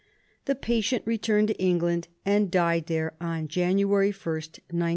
The patient returned to England, and died there on January 1st, 1903.